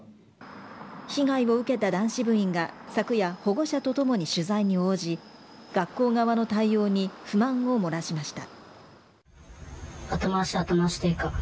被害を受けた男子部員が昨夜保護者とともに取材に応じ学校側の対応に不満を漏らしました。